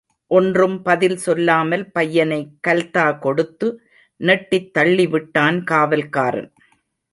ஒன்றும் பதில் சொல்லாமல் பையனை கல்தா கொடுத்து நெட்டித் தள்ளிவிட்டான் காவல்காரன்.